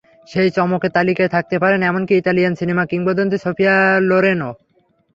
সেই চমকের তালিকায় থাকতে পারেন এমনকি ইতালিয়ান সিনেমা কিংবদন্তি সোফিয়া লোরেনও।